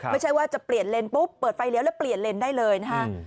ไม่ใช่ว่าจะเปลี่ยนเลนปุ๊บเปิดไฟเลี้ยวแล้วเปลี่ยนเลนได้เลยนะฮะ